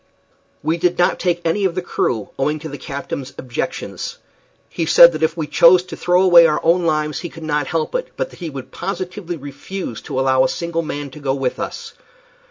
We did not take any of the crew, owing to the captain's objections. He said that if we chose to throw away our own lives he could not help it, but that he would positively refuse to allow a single man to go with us.